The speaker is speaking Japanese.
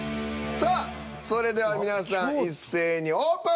さあそれでは皆さん一斉にオープン！